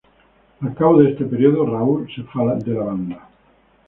Al cabo de este periodo, Raúl se fue de la banda.